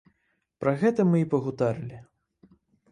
Пра гэта мы і пагутарылі.